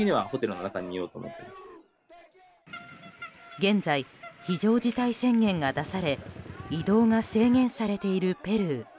現在、非常事態宣言が出され移動が制限されているペルー。